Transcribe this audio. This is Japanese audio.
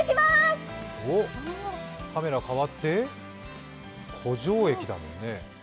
カメラ変わって、湖上駅だもんね。